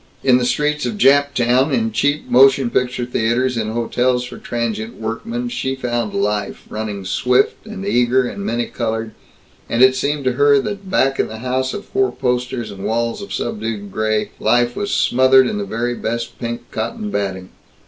In the streets of Jap Town, in cheap motion picture theaters, in hotels for transient workmen, she found life, running swift and eager and many colored; and it seemed to her that back in the house of four posters and walls of subdued gray, life was smothered in the very best pink cotton batting.